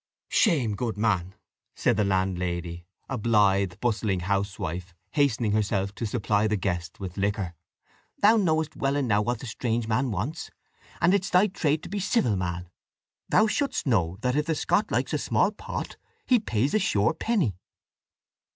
"Shame, goodman," said the landlady, a blythe, bustling housewife, hastening herself to supply the guest with liquor. "Thou knowest well enow what the strange man wants, and it's thy trade to be civil, man. Thou shouldst know, that if the Scot likes a small pot, he pays a sure penny."